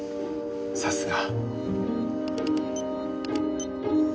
さすが。